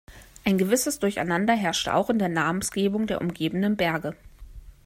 Ein gewisses Durcheinander herrschte auch in der Namensgebung der umgebenden Berge.